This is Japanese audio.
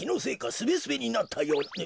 スベスベになったよう。